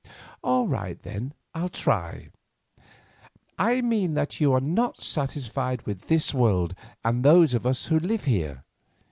"All right, then, I'll try. I mean that you are not satisfied with this world and those of us who live here.